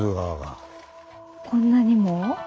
こんなにも？